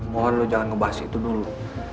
mohon lo jangan ngebahas itu dulu